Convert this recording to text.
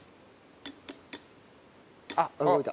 あっ動いた。